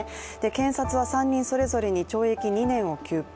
検察は３人それぞれに懲役２年を求刑。